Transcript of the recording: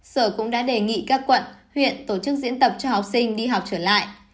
sở cũng đã đề nghị các quận huyện tổ chức diễn tập cho học sinh đi học trở lại